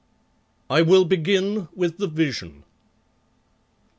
I will begin with the Vision.